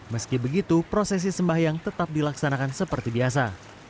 meski begitu prosesi sembahyang tetap dilaksanakan seperti biasa